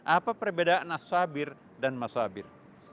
apa perbedaan as sabir dan al masabir